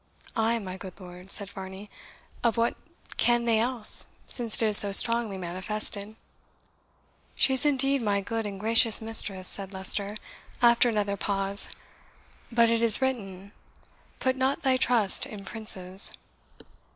"Ay, my good lord," said Varney; "of what can they else, since it is so strongly manifested?" "She is indeed my good and gracious mistress," said Leicester, after another pause; "but it is written, 'Put not thy trust in princes.'"